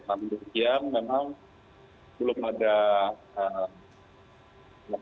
namun di setiap memang belum ada maksudnya kabar dari beliau itu